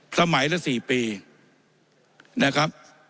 สมัยละ๔ปีนะครับ